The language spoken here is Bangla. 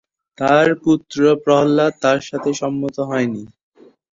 তার পুত্র প্রহ্লাদ তার সাথে সম্মত হয়নি।